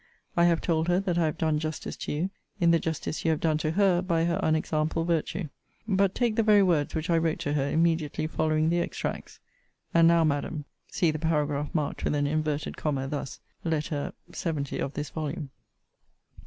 I have told her, that I have done justice to you, in the justice you have done to her by her unexampled virtue. But take the very words which I wrote to her immediately following the extracts: 'And now, Madam,' See the paragraph marked with an inverted comma [thus '], Letter LXX. of this volume.